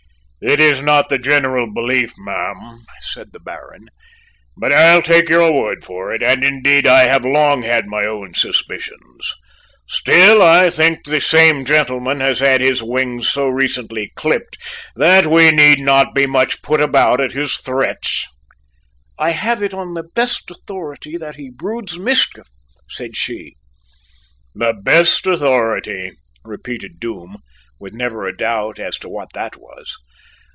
"It is not the general belief, ma'am," said the Baron, "but I'll take your word for it, and, indeed, I have long had my own suspicions. Still, I think the same gentleman has had his wings so recently clipped that we need not be much put about at his threats." "I have it on the best authority that he broods mischief," said she. "The best authority," repeated Doom, with never a doubt as to what that was.